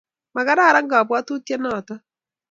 makararan kabwotutie noto